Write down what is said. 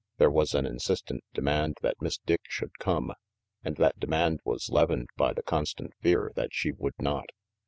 There was an insistent demand that Miss Dick should come, and that demand was leavened by the constant fear that she would not.